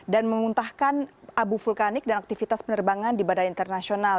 dan menguntahkan abu vulkanik dan aktivitas penerbangan di badan internasional